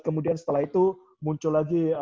kemudian setelah itu muncul lagi